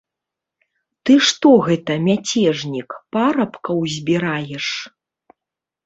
Ты, што гэта, мяцежнік, парабкаў збіраеш?